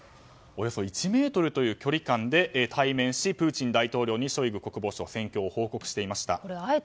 およそ１ｍという距離感で対面しプーチン大統領にショイグ国防相あえてってことですよね。